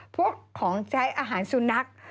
พวกของใช้อาหารสุนัข